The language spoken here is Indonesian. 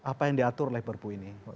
apa yang diatur oleh perpu ini